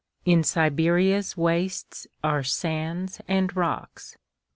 In Siberia's wastesAre sands and rocks.